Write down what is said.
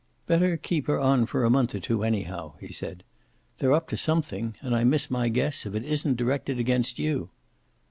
"Better keep her on for a month or two, anyhow," he said. "They're up to something, and I miss my guess if it isn't directed against you."